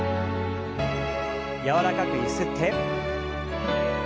柔らかくゆすって。